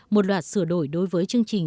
một loạt sửa đổi đối với chương trình